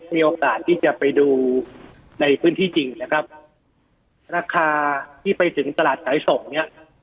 มีโอกาสที่จะไปดูในพื้นที่จริงนะครับราคาที่ไปถึงตลาดสายส่งเนี่ย